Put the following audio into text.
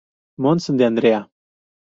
Mons de Andrea.